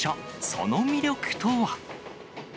その魅力とは。